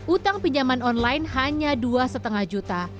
utang pinjaman online hanya dua lima juta